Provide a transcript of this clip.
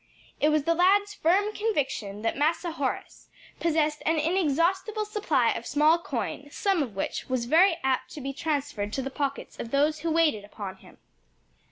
It was the lad's firm conviction that "Massa Horace" possessed an inexhaustible supply of small coin, some of which was very apt to be transferred to the pockets of those who waited upon him.